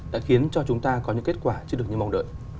đã khiến cho chúng ta có những kết quả chưa được như mong đợi